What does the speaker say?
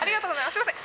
すみません。